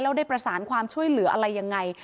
แล้วได้ประสานความช่วยเหลืออะไรยังไง